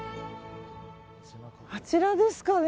あちらですかね。